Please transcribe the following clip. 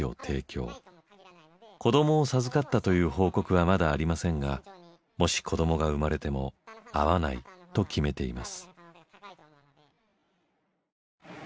子どもを授かったという報告はまだありませんがもし子どもが生まれても会わないと決めています。